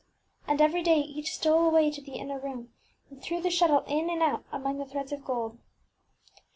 And every day each stole away to the inner room, and threw the shuttle in and out among the threads of gold.